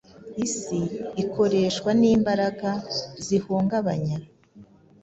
Isi irakoreshwa n’imbaraga zihungabanya